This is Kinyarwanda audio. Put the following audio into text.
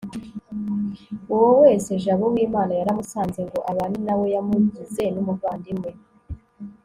uwo wese jambo w'imana yaramusanze ngo abane nawe, yamugize n'umuvandimwe